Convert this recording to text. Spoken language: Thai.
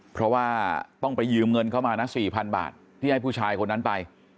เพราะว่าต้องไปยืมเงินเข้ามานะ๔๐๐๐บาทที่ให้ผู้ชายคนนั้นไป